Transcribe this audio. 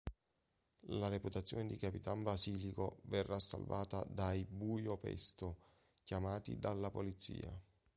La reputazione di Capitan Basilico verrà salvata dai Buio Pesto, chiamati dalla polizia.